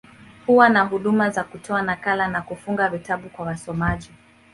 Huwa na huduma za kutoa nakala, na kufunga vitabu kwa wasomaji.